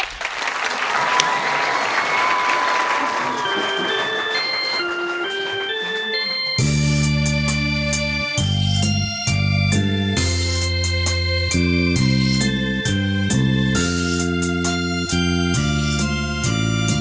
พี่ไป